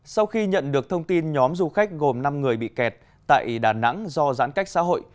sau khi nhận được thông tin nhóm du khách gồm năm người bị kẹt tại đà nẵng do giãn cách xã hội